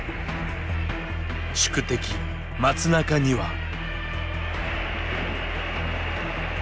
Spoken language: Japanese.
宿敵松中には。